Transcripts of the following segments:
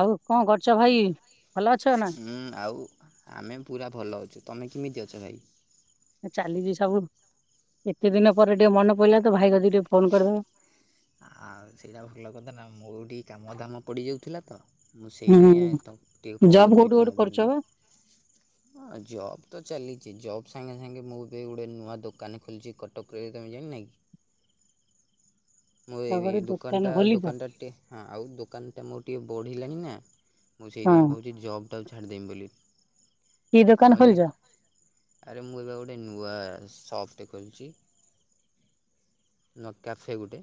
ଆଉ କଣ କରୁଚ ଭାଇ। ଭଲ ଅଛ ନା ହୁଁ ଆଉ ଆମେ ପୁରା ଭଲ ଅଛୁ। ତମେ କେମିତି ଅଛ ଭାଇ? ଚାଲିଚି ସବୁ ଏତେ ଦିନ ପରେ ଟିକେ ମନେ ପଇଲା ତ ଭାଇ କତିକି ଟିକେ ଫୋନ କରିଦବା। ଆଉ ସେଇଟା ଭଲ କଥା ନା। ମୋର ଟିକେ କାମଧାମ ପଡିଯାଉଚି ଥିଲା ତ ମୁଁ ସେଇଥିପାଇଁ ଆ ହୁଁ ତ ଟିକେ କଲ୍ ଜବ୍ କୋଉଠି ଗୋଟେ କରୁଛ କରିପାରୁନଥିଲି। ବା? ଜବ୍ ତ ଚାଲିଚି ଜବ୍ ସାଙ୍ଗେ ସାଙ୍ଗେ ମୁ ବି ଗୋଟେ ନୂଆ ଦୋକାନ ଖୋଲିଛି କଟକରେରେ ତମେ ଜାଣିିନ କି। ମୋ ଏଇ ତାପରେ ଦୋକାନ୍ ଦୋକାନ ଟା ଖୋଲିଛ ଦୋକାନ୍ ଟା ଟିକେ ହଁ ଆଉ ଦୋକାନ୍ ଟା ମୋ ଟିକି ବଢ଼ିଲାଣି ନା ମୁଁ ହଁ ସେଇଥିପାଇଁ ଭାବଛି ଜବ୍ ଟାକୁ ଛାଡ଼ିଦେମି ବୋଲି। କି ଦୋକାନ ତମରି ଖୋଲିଛ? ଆରେ ମୁଁ ଏବେ ବା ଗୋଟେ ନୂଆ ସପ ଟେ ଖୋଲିଚି। ନୂଆ କ୍ୟାଫେ ଗୋଟେ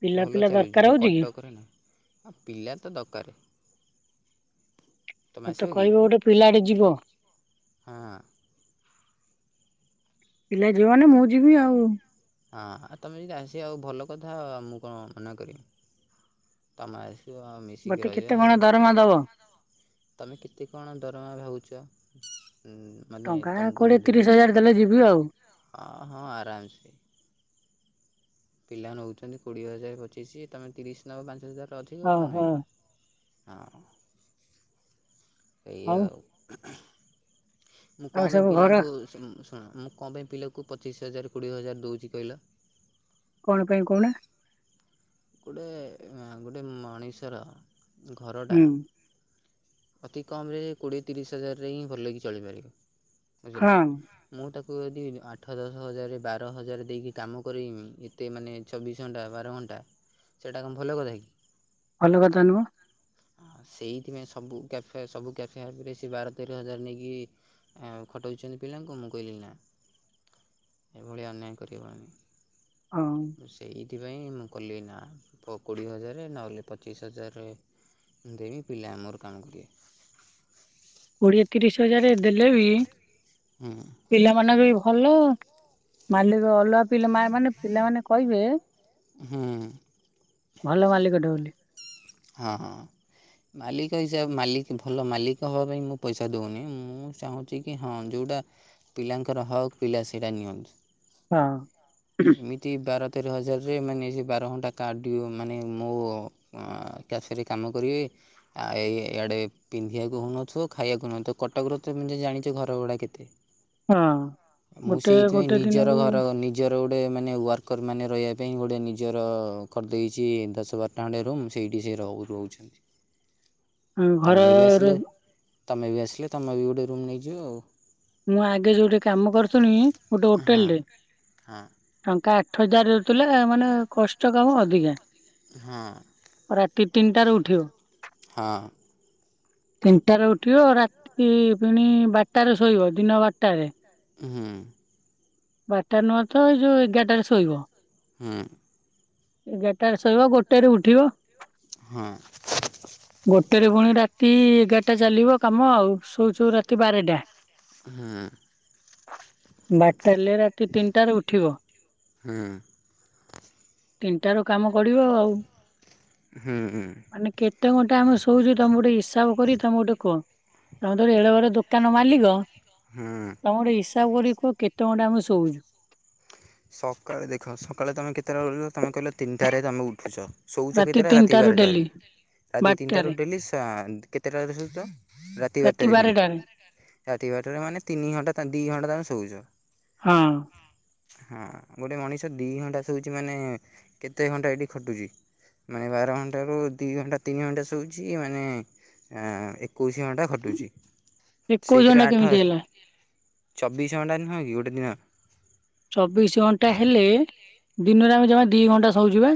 ପିଲା ଭଲ ପିଲା ଦରକାର ଚାଲୁଚି ହଉଛି କି? କଟକ୍ ରେ ନା। ପିଲା ତ ଦରକାର। ତୁମେ ମତେ ଆସିବ କି କହିବ ଗୋଟେ ପିଲାଟେ ଯିବ। ହଁ ପିଲା ଯିବନି ମୁଁ ଯିବି ଆଉ। ହଁ ଆଉ ତମେ ଯଦି ଆସିବ ଆଉ ଭଲ କଥା ମୁଁ କଣ ମନା କରିବି। ତମେ ମିଶିକି ମତେ କେତେ ରହିବା। କଣ ଦରମା ଦବ? ତମେ କେତେ କଣ ଦରମା ଭାବୁଚ? ମାନେ ଟଙ୍କା ତୁମକୁ କୋଡିଏ ମୁଁ ଦେବି ତିରିଶ ହଜାର ଦେଲେ ଯିବି ଆଉ ହଁ ହଁ ଆରାମ୍ ସେ ପିଲା ନଉଛନ୍ତି କୋଡିଏ ହଜାର ପଚିଶି ତମେ ତିରିଶ ନବ ପାଞ୍ଚ ହଜାର ଅଧିକ କଣ ଓହୋ ହେଲା। ହଁ। ଏଇ ଆଉ ମୁଁ ଆଉ କଣ ପାଇଁ ସବୁ ଘର ପିଲାଙ୍କୁ ଶୁଣ ମୁଁ କଣ ପାଇଁ ପିଲାକୁ ପ ପଚିଶ ହଜାର କୋଡ଼ିଏ ହଜାର ଦଉଚି କହିଲ। କଣ ପାଇଁ କ [unintelligible] ଗୋଟେ ଗୋଟେଥଥଥ ମଣିଷର ଘରଡ଼ା ହୁଁ ଅତି କମ୍ ରେ କୋଡ଼ିଏ ତିରିଶ ହଜାରରେ ହିଁ ଭଲକି ଚଳିପାରିବ ବୁଝିଲ ହଁ ମୁଁ ତାକୁ ତୁ ଯଦି ଆଠ ଦଶ ହଜାର ବାର ହଜାର ଦେଇକି କାମ କରେଇମି ଏତେ ମାନେ ଚବିଶ ଘଣ୍ଟା ବାର ଘଣ୍ଟା ସେଇଟା କଣ ଭଲ କଥା କି ଭଲ କଥା ନୁହଁ ଆ ସେଇଥିପାଇଁ ସବୁ କ୍ୟାଫେ ସବୁ କ୍ୟାଫେ ହରେ ସେ ବାର ତେର ହଜାର ନେଇକି ଖଟାଉଛନ୍ତି ପିଲାଙ୍କୁ ମୁଁ କହିଲି ନା ଏଭଳିଆ ଅନ୍ୟାୟ କରିହବନି ହଁ ସେଥିପାଇଁ ମୁଁ କଲି ନା କୋଡ଼ିଏ ହଜାର ନହେଲେ ପଚିଶ ହଜାର ଦେବି ପିଲା ମୋର କାମ କରିବେ କୋଡିଏ ତିରିଶ ହଜାର ଦେଲେ ବି ହୁଁ ପିଲାମାନଙ୍କ ବି ଭ ଭଲ ମାଲିକ ଅଲଗା ପିଲା ମା ମାନେ ପିଲାମାନେ କହିବେ ହୁଁ ଭଲ ମାଲିକ ଟେ ବୋଲି ହଁ ହଁ ମାଲିକ ହିସାବ ମାଲିକ ଭଲ ମାଲିକ ହେବା ପାଇଁ ମୁଁ ପଇସା ଦେଉନି ମୁଁ ଚାହୁଁଛି କି ହଁ ଯେଉଁଟା ପିଲାଙ୍କର ହକ୍ ପିଲା ସେଇଟା ନିଅନ୍ତୁ ହଁ ଏମିତି ବାର ସତର ହଜାରରେ ମାନେ ସେ ବାର ଘଣ୍ଟା କାଡ ଡିଓ ମାନେ ମୋ କାଫେ ରେ କାମ କରିବେ ଆଉ ଏଇ ଆଡ଼େ ପିନ୍ଧିବାକୁ ହଉନଥିବ ଖାଇବାକୁ ହଉନଥିବ କଟକର ତମେତ ଜାଣିଛ ଘର ଗୁଡ଼ା କେତେ ହଁ ମୁଁ ଗୋଟେ ସେଇଥିପାଇଁ ଗୋଟେ ନିଜର ଦିନକୁ ଘର ନିଜର ଗୋଟେ ମାନେ ୱାର୍କର ମାନେ ରହିବାକୁ ପାଇଁ ଗୋଟେ ନିଜର କରିଦେଇଛି ଦଶ ବାରଟା ଖଣ୍ଡେ ରୁମ ସେଇଠି ସେ ରହୁ ରହୁଛନ୍ତି ହହୁଁ ତମେ ବି ଆସିଲେ ଘରେ ତମେ ବି ଆସିଲେ ତମେ ବି ଗୋଟେ ରୁମ୍ ନେଇଯିବ ଆଉ ମୁଁ ଆଗେ ଯୋଉଟି କାମ କରୁଥିଲି ଗୋଟେ ହୋଟେଲ ହଁ ରେ ଟଙ୍କା ଗ- ଥଇଦାର ରହୁଥିଲେ ମାନେ କଷ୍ଟ କାମ ଅଧିକା ହଁ ରାତି ତିନିଟାରେ ଉଠିବ ହଁ ତିନିଟାରେ ଉଠିବ ରାତି ପୁଣି ବାରଟାରେ ସୋ- ଶୋଇବ ଦିନ ବାରଟାରେ ହୁଁ ବାରଟା ନୁହଁ ତ ଏଇ ଯୋଉ ଏଗାରଟାରେ ଶୋଇବ ହୁଁ ଏଗାରଟାରେ ଶୋଇବ ଗୋଟେ ରେ ଉଠିବ ହଁ ତେଣେ ପୁଣି ରାତି ଏଗାରଟା ଚାଲିବ କାମ ଆଉ ଶୋଉ ଚଉ ରାତି ବାରଟା ହୁଁ, ବାଟ୍ ତାହାଲେ ରାତି ତିନିଟାରେ ଉଠିବ। ତିନିଟା ରୁ କାମ କଡିବ ଆଉ। ହୁଁ ହୁଁ ମାନେ କେତେ ଘଣ୍ଟା ଆମେ ଶୋଉଚୁ, ତୋମେ ଗୋଟେ ହିସାବ କରି ତୋମେ ଗୋଟେ କୁହ। ତୋମେ ତ ଗୋଟେ ଏଡେ ବଡ ଦୋକାନ ମାଲିକ ତୋମେ ହୁଁ ଗୋଟେ ଇସ୍ ହିସାବ କରି କୁହ କେତେ ଘଣ୍ଟା ଆମେ ଶୋଉଚୁ? ସକାଳେ ଦେଖ ସକାଳେ ତୋମେ କେତେଟାଳେ ଉଠୁଚ, ତୋମେ କହିଲ ତିନିଟାରେ ତୋମେ ଉଠୁଚ ଶୋଉଚ କେତେଟା ରାତି ତିନିଟାରୁ ବାରେଟାରେ, ଡେଲି ରାତି ତିନିଟାରୁ ବାରଟାରେ। ଡେଲି ସାନ୍ତ କେତେଟାରେ ଶୋଉଚ ରାତି ବାରଟାରେ ଫେଣି ରାତି ବାରେଟାରେ ମାନେ ତିନି ଘଣ୍ଟା ତାନେ ଦି ଘଣ୍ଟା ତୁମେ ଶୁଉଚ। ହଁ ହଁ ଗୋଟେ ମଣିଷ ଦି ଘଣ୍ଟା ଶୁଉଚୁ ମାନେ କେତେ ଘଣ୍ଟା ଏଠି ଖଟୁଚି ମାନେ ବାର ଘଣ୍ଟାରୁ ଦି ଘଣ୍ଟା ତିନି ଘଣ୍ଟା ଶୋଉଛି ମାନେ ଏଁ, ଏକୋଇଶ ଘଣ୍ଟା ଖଟୁଛି। ଏକୋଇଶ ସେଇଥିରେ ଘଣ୍ଟା ଆଠ କେମିତି ହେଲା? ଚବିଶ ଘଣ୍ଟା ନୁହଁ କି ଗୋଟେ ଦିନ? ଚବିଶ ଘଣ୍ଟା ହେଲେ ଦିନରେ ଆମେ ଜମା ଦି ଘଣ୍ଟା ଶୋଉଚି ବା।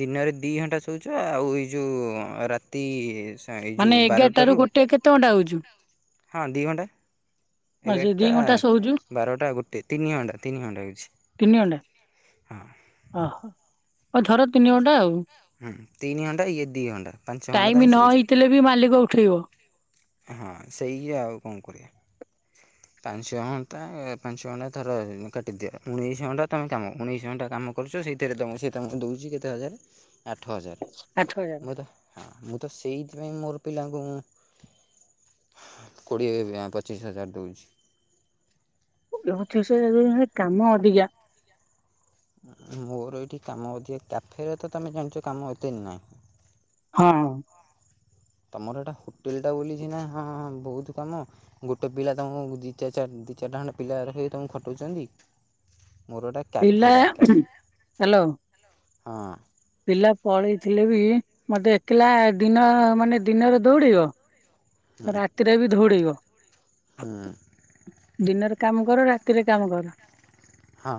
ଦିନରେ ଦି ଘଣ୍ଟା ଶୋଉଚ ଆଉ ଏଇ ଯୋଉ ରାତି ଏଇ ଯୋଉ ମାନେ ଏଗାରଟାରୁ ବାରଟାରୁ ଗୋଟେ କେତେ ଘଣ୍ଟା ହଉଚୁ? ହଁ ଦି ଘଣ୍ଟା। ଏଗାରଟା ଘଣ୍ଟା ଶୋଉଛୁ ବାରଟା ଗୋଟେ ତିନି ଘଣ୍ଟା ତିନି ଘଣ୍ଟା ହଉଛି ତିନି ଘଣ୍ଟା ହଁ। ଓହୋ ହଉ ଧର ତିନି ଘଣ୍ଟା ଆଉ। ହୁଁ ତିନି ଘଣ୍ଟା ଇଏ ଦି ଘଣ୍ଟା ପାଞ୍ଚ ଘଣ୍ଟା ଟାଇମ ତୋମେ ନ ଶୋଉଛ, ହେଇଥିଲେ ବି ମାଲିକ ଉଠେଇବ ହଁ ସେଇଆ ଆଉ କଣ କରିବା। ପାଞ୍ଚ ଘଣ୍ଟା ଏ ପାଞ୍ଚ ଘଣ୍ଟା ଧର କାଟିଦିଅ ଉଣେଇଶ ଘଣ୍ଟା ତୋମେ କାମ ଉଣେଇଶ ଘଣ୍ଟା କାମ କରୁଚ। ସେଇଥିରେ ତୋମକୁ ସେ ତୋମକୁ ଦଉଚି କେତେ ହଜାର? ଆଠ ହଜାର ଆଠ ହଜାର। ମୁଁ ତ ହଁ ମୁଁ ତ ସେଇଥିପାଇଁ ମୋର ପିଲାଙ୍କୁ ମୁଁ କୋଡିଏ ପଚିଶ ହଜାର ଦଉଛି। ଯେ ହଉଚି ସେ କାମ ଅଧିକା। ମୋର ଏଇଠି କାମ ଅଧିକା କ୍ୟାଫେରେ ତୋମେ ଜାଣିଚ କାମ ଏତେ ନାଇଁ। ହଁ। ତୋମର ଏଟା ହୋଟେଲ୍ ଟା ବୋଲି ସିନା ହଁଁ ବହୁତ କାମ ଗୋଟେ ପିଲା ତୋମୁକୁ ଦି-ଚା ଚାଟ ଦି ଚାରଟା ପିଲା ରଖିକି ତୋମୁକୁ ଖଟଉଚନ୍ତି। ପିଲା ହାଲୋ ହଁ। ପିଲା ପଳେଇଥିଲେ ବି ମୋତେ ଏକେଲା ଦିନ ମାନେ ଦିନରେ ଦୌଡେବ ହୁଁ ରାତିରେ ବି ଧୌଡେଇବ। [inaudible] ହୁଁ। ଦିନରେ କାମ କର ରାତିରେ କାମ କର। ହଁ।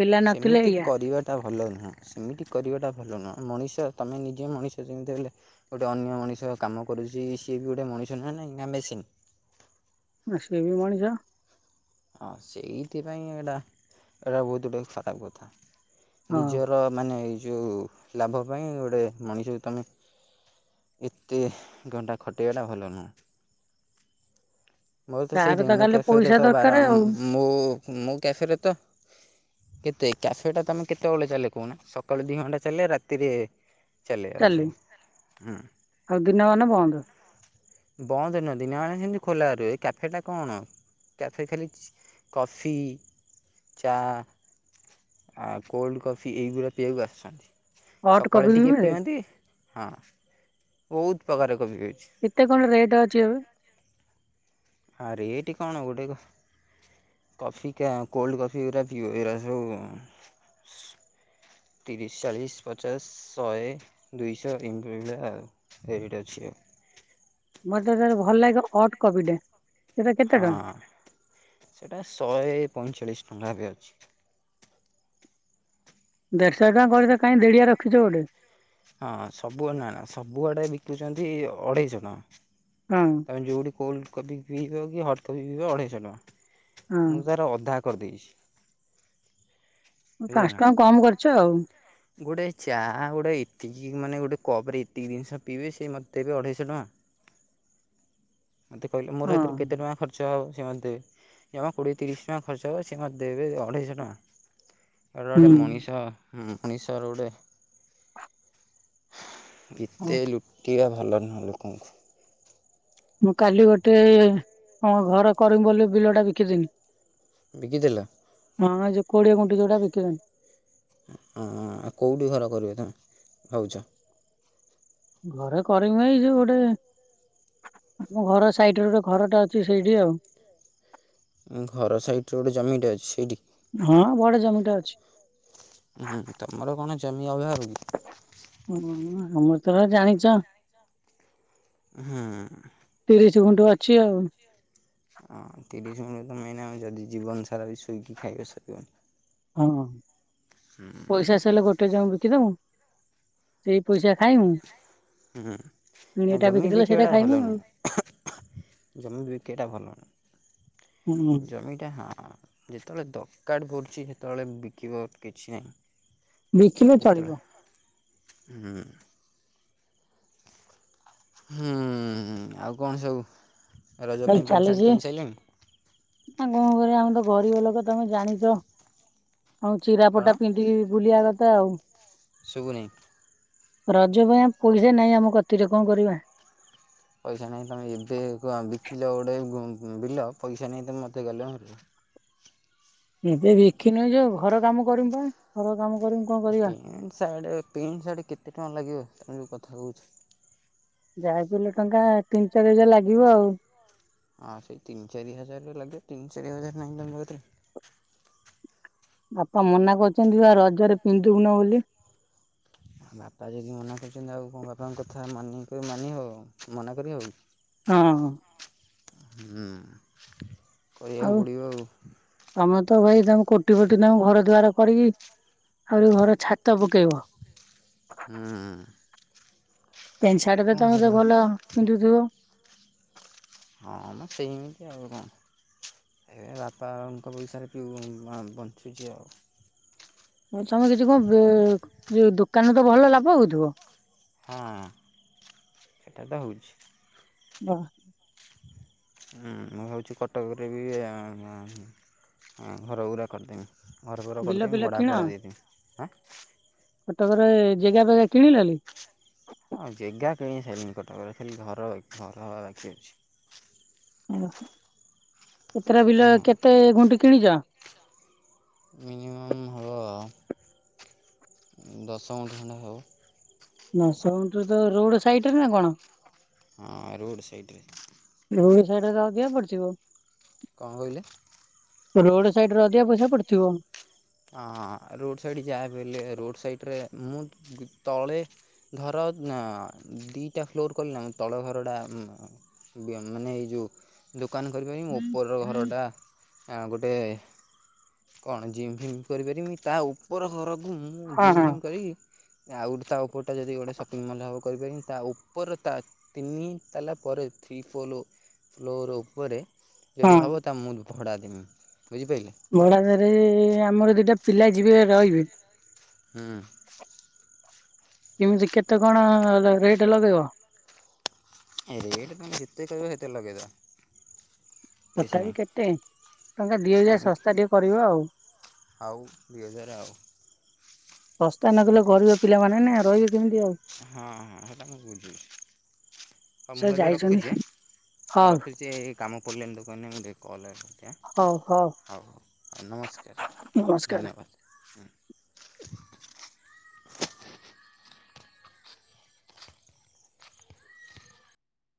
ପିଲା ନଥିଲେ ସେମିତି ଏଇଆ। କରିବାଟା ଭଲ ନୁହଁ, ସେମିତି କରିବାଟା ଭଲ ନୁହଁ, ମଣିଷ ତୋମେ ନିଜେ ମଣିଷ ଯେମିତି ହେଲେ ଗୋଟେ ଅନ୍ୟ ମଣିଷ କାମ କରୁଚି, ସିଏ ବି ଗୋଟେ ମଣିଷ ନୁହେଁ ନାହିଁ ନା ମେସିନ୍। ଆ ସେ ବି ମଣିଷ। ହଁ ସେଇଥିପାଇଁ ଏଇଟା ଏଟା ବହୁତ ଗୁଟେ ଖରାପ କଥା। ହଁ ନିଜର ମାନେ ଯୋଉ ଲାଭ ପାଇଁ ଗୋଟେ ମଣିଷକୁ ତମେ ଏତେ ଘଣ୍ଟା ଖଟେଇବାଟା ଭଲ ନୁହଁ। ମୋର ତ ତାର ସେଇଥିପାଇଁ ମୋ ଖାଲି କ୍ୟାଫେରେ ପଇସା ତ ବାର ଦରକାର ଆଉ ମୁଁ ମୋ କ୍ୟାଫେରେ ତ କେତେ କ୍ୟାଫେ ଟା ତମେ କେତେବେଳେ ଚାଲେ କହୁନ ସକାଳୁ ଦି ଘଣ୍ଟା ଚାଲେ ରାତିରେ ଚାଲେ ଆଉ ଚାଲି ସବୁ ହୁଁ ଆଉ ଦିନ ବାନ ବନ୍ଦ। ବନ୍ଦ ନୁହ, ଦିନ ବେଳା ସେମତି ଖୋଲା ରୁଏ। କ୍ୟାଫେଟା କଣ? କ୍ୟାଫେ ଖାଲି କଫି, ଚା, ଆଉ କୋଲ୍ଡ କଫି ଏଇଗୁଡ଼ା ପିଇବାକୁ ଆସୁଚନ୍ତି। ହଟ୍ ସକାଳେ କଫି ବି ଟିକିଏ ମିଳେ ପିଅନ୍ତି, ହଁ ବହୁତ ଉପକାର। କେତେ କଣ ରେଟ୍ ଅଛି ଏବେ? ଆ ରେଟି କଣ? ଗୋଟେକୁ କଫି କେ, କୋଲ୍ଡ କଫି ଗୁରା ପିବ, ଏଗୁରାକ ସବୁ ତିରିଶ, ଚାଳିଶ, ପଚାଶ, ଶହେ, ଦୁଇଶହ ଏମତି ମିଳେ, ଆଉ ଏରିଟା ଅଛି। ମତେ ଖାଲି ଭଲ ଲାଗେ କଣ, ଅଟ୍ କଫିଟେ। ହଁ, ସେଟା ଶହେ ପଇଁଚାଳିଶ। ଠୁଙ୍ଗା ବି ଅଚି। ଦେଢ଼ଶହ ଟଙ୍କା କରି ତେ କାଇଁ ଦେଡିଆ ରଖିଛ ଗୋଟେ। ହଁ ସବୁଆ। ନା ନା ସବୁଆଡେ ବିକୁଚନ୍ତି ଅଢେଇଶ ଟଙ୍କା। ହଁ ତମେ ଯୁଠ କୋଲ୍ଡ଼ କପି ପିଇବ କି ହଟ୍ କଫି ପିଁଇବ ଅଢ଼େଇଶହ ହଁ ଟଙ୍କା। ମୁଁ ତାର ଅଧା କରି ଦେଇଚି। ପାଞ୍ଚ [unintelligible] ନା, [unintelligible] ଟଙ୍କା କମ କରିଛ ଆଉ ଗୋଟେ ଚାହା ଗୋଟେ ଏ ଟି ମାନେ ଗୋଟେ କପ ରେ ଏତିକି ଦିଅ ସ ପିଇବେ ସେ ମତେ ଦେବେ ଅଢେଇଶଅ ଟଙ୍କା। ମୋତେ କହିଲେ ମୋର ହଁ ଏଥିରେ କେତେ ଟଙ୍କା ଖର୍ଚ୍ଚ ହବ? [unintelligible] ସେ ଜମା କୋଡ଼ିଏ ତିରିଶ ଟଙ୍କା ଖର୍ଚ୍ଚ ହେବ ସେମାନ ଦେବେ ଅଢ଼େଇଶହ ଟଙ୍କା! ଏଟା ଗୋଟେ ହୁଁ ମଣିଷ, ହ, ଉଣେଇଶଶହ ରୋଡ଼େ ହଉ କେତେ ଲୁକିବା ଭା ଭଲ ନାଁ ଲୋକଙ୍କୁ, ମୁଁ କାଲି ଗୋଟେ ମୋ ଘର କରିମ ବୋଲି ବିଲ ଟା ବିକିଦିଲି। ବିକିଦେଲ? ହଁ, ଏ ଯୋ କୋଡ଼ିଏ ଭଙ୍ଗି ଯଉଟା ବିକିଦେଲି। ହ, ଆଉ କଉଠି ଘର କରିବେ ତମେ ଭାଉଚ? ଘରେ କରିମି ଏଇ ଯୋଉ ଗୋଟେ ଆମ ଘର ସାଇଟରେ ଗୋଟେ ଘରଟା ଅଛି ସେଇଠି ଆଉ। ଅ ଘର ସାଇଟରେ ଗୋଟେ ଜମିଟା ଅଛି ସେଇଟି? ହଁ ବଡ [unintelligible] ହୁଁ ତମର କଣ ଜମି ଅଭାବ? କି ହୁଁ ନା। ଆମର ତ ଭା ଜାଣିଚ। ହୁଁ। [unintelligible] ଗୁଣ୍ଠୁ ଅଛି ଆଉ। ହଁ ତିରିଶି ମିନିଟ ରେ ମେନ ଆମେ ଯଦି ଜୀବନ ସାରା ବି ଶୋଇକି ଖାଇବା ସରିବନି। ହଁ ପଇସା ସଇଲେ ଗୋଟେ ଜମି ବିକିଦମୁ। ସେଇ ପଇସା ଖାଇମୁ [unintelligible] ହୁଁ ପୁଣି ନା ଏଇଟା ଜମି ବିକିଦେଲେ ସେଇଟା ବିକିବାଟା ଖାଇମୁ ଭଲ ଆଉ। ନୁହେଁ [unintelligible] ଜମି ବିକିବାଟା ଭଲ ନ ହୁଁ ଜମିଟା ହଁ ଯେତେବେଳେ ଦ କାଡ ପଡୁଚି ସେତେବେଳେ ବିକିବ କିଛି ନାହିଁ। ବିକିଲେ ଯେତେବେଳେ ଚଳିବ। ହୁଁ। ହୁଁ ଆଉ କଣ ସବୁ? ରଜ ମୁଁ କହିଲି ପାଇଁ ପ୍ୟାଣ୍ଟ ସାର୍ଟ ଚାଲିଚି ଆ କିଣି ସାରିଲଣି କଣ କରିବା ଆମେ ତ ଗରିବ ଲୋକ ତମେ ଜାଣିଚ। ଆଉ ଚିରା କ'ଣ ଫଟା ପିନ୍ଧିକି ବୁଲିଆ କ ଥା ଆଉ। ଶୁଗୁନାଇ। ରଜ ପାଇଁ ଆଉ ପଇସା ନାଇଁ ଆମ କତିରେ କଣ କରିବା। ପଇସା ନାଇଁ ତମେ ଏବେ ଆ ବିକିଲ ଗୋଟେ ଉଁ ବିଲ ପଇସା ନାଇଁ ତମେ ମୋତେ ଗାଲୁଆ ମାରୁଚ। ଏବେ ବିକିନି ଏଇ ଯେ ଘର କାମ କରମି ପା ଘର କାମ। କରିମୁ କଣ କରିବା ପେଣ୍ଟ ସାର୍ଟ ପେଣ୍ଟ ସାର୍ଟ କେତେ ଟଙ୍କା ଲାଗିବ? ତମେ ଯୋଉ କଥା କହୁଚ। ଯାହା ବି ହେଲେ ଟଙ୍କା ତିନି ଚାରି ହଜାର ଲାଗିବ ଆଉ। ହଁ ସେଇ ତିନି ଚାରି ହଜାର ରେ ଲାଗିବ ତିନି ଚାରି ହଜାର ନାହିଁ ତମ କତିରେ? ବାପା ମନା କରୁଚନ୍ତି ବା ରଜରେ ପିନ୍ଧିବୁନୁ ବୋଲି। ବାପା ଯଦି ମନା କରିଚନ୍ତି ଆଉ କଣ ବାପାଙ୍କ କଥା ମାନି କି ମାନି ହବ ମନା କରି ହବ କି? ହଁ। ହୁଁ। କରିଆକୁ ପଡ଼ିବ ଆଉ। ତମେ ତ ଭାଇ ତମେ କୋଟି ପୋଟି ତମ ଘର ଦୁଆର କରିକି ଆହୁରି ଘର ଛାତ ପକେଇବ। ହୁଁ। ପେଣ୍ଟ ସାର୍ଟ ଫେରେ ତମେ ତ ଭଲ ପିନ୍ଧୁଥିବ? ହଁ ମ ସେମିତି ଆଉ କଣ ଏବେ ବାପାଙ୍କ ପଇସାରେ ପିଉ ଅଁ ବଞ୍ଚୁଚି ଆଉ। [unintelligible] ତମେ କିଛି କଣ ବେଁ ଯୋଉ ଦୋ କାନ ରେ ତ ଭଲ ଲାଭ ହଉଥିବ? ହଁ ସେଟା ତ ହଉଚି। ବାଃ। ହୁଁ ମୁଁ ଭାବୁଚି କଟକରେ ବି ଆଁ ଆଁ ଘରଗୁରା କରିଦେମି। ଘରଫର ବିଲ ଫିଲ କରିଦେମି ଭଡ଼ା କିଣ ଫଡ଼ା ଦେଇଦେମି। ଆଁ କଟକରେ ଜଗା ବଗା କିଣିଲଣି? ଆଉ ଜାଗା କିଣି ସାରିଲିଣି କଟକରେ ଖାଲି ଘର ଘର ହେବା ବାକି ଅଛି। [unintelligible] ଏତଟା ବିଲ ହଁ କେତେ ଗୁଣ୍ଠି କିଣିଛ? ମିନିମମ୍ ହେବ ଦଶ ଗୁଣ୍ଠ ହେବ। ଦଶ ଗୁଣ୍ଠ ତ ରୋଡ ସାଇଡରେ ନା କଣ? ହଁ ରୋଡ଼ ସାଇଡ଼ରେ। ରୋଡ ସାଇଡ୍ ରେ ତ ଅଧିକ ପଡ଼ିଥିବ। କଣ କହିଲେ? ରୋଡ ସାଇଡ୍ ରେ ଅଧିକ ପଇସା ପଡ଼ିଥିବ। ହଁ ରୋଡ଼ ସାଇଡ଼୍ ଯାହା ଭିହେଲେ ରୋଡ଼ ସାଇଡ଼ରେ ମୁଁ ତଳେ ଧର ଦୁଇଟା ଫ୍ଲୋର କଲି ନା ତଳ ଘରଟା ମାନେ ଏ ଯେଉଁ ଡୁ ଦୋକାନ କରିି [unintelligible] ମୋ ଉପର ଘରଟା ଗୋଟେ କଣ ଜିମ୍? ହୁଁ କରିପାରିମି ତା ଉପର ଘରକୁ ମୁଁ ହଁ ଜିମ୍ ହଁ ଫିମ୍ କରିକି ଆଉ ଗୋଟେ ତା ଉପରଟା ଯଦି ଗୋଟେ ସପିଂ ମଲ୍ ଟା ହେବ କରିପାରିବି ତା ଉପର ତା ତିନି ତାଲା ପରେ ଥ୍ରୀ ଫୋ ଫ୍ଲୋର ଉପରେ ଯଦି ହବ ତା ମୁଁ ଭଡା ଦେମି। ବୁଝିପାରିଲେ। ଭଡାଘରେ ଆ ଆମର ଦିଟା ପିଲା ଯିବେ ରହିବେ ହୁଁ ଏମିତି କେତେ କଣ ରେଟ ଲଗେଇବ? ରେଟ ପାଇଁ ଯେତେ କହିବ ସେତେରେ ଲଗେଇଦେବା। ତଥାପି କେତେ ଟଙ୍କା ଦିଅଜେ ତମେ ଶସ୍ତା ଟିକେ କରିବ ଆଉ। ଆଉ ଦୁଇ ହଜାର ଆ ଶସ୍ତା ନକଲେ ଗରିବ ପିଲାମାନେ ନା ରହିବେ କେମିତି ଆଉ ହଁ ହଁ ସେଟା ମୁଁ ବୁଝୁଛି ହଉ ସେ ମୁଁ ଏବେ ଯାଇଛନ୍ତି ରଖୁଛି ମୁଁ ହଉ ରଖୁଛି କାମ ପଡ଼ିଲାଣି ଦୋକାନ ରେ ମୁଁ ଯେ କଲ୍ ଆ [unintelligible] ହଉ ହଉ ହଉ ନମସ୍କାର ନମସ୍କାର। ଧନ୍ୟବାଦ।